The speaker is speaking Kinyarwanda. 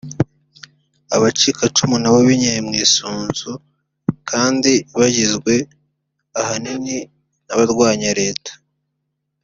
Abacikacumu nabo binyaye mw’isunzu kdi bagizwe ahanini n’abarwanya Leta